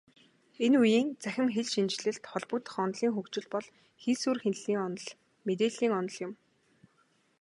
Энэ үеийн цахим хэлшинжлэлд холбогдох онолын хөгжил бол хийсвэр хэлний онол, мэдээллийн онол юм.